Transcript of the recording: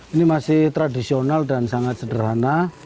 ini masih tradisional dan sangat sederhana